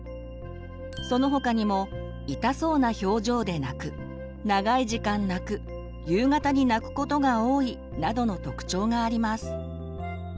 その他にも痛そうな表情で泣く長い時間泣く夕方に泣くことが多いなどの特徴があります。